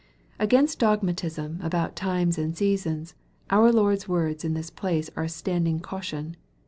Against dogmatism about times and seasons, our Lord's words in this place are a standing caution.